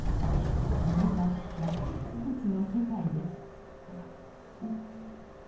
森は野生動物の世界です。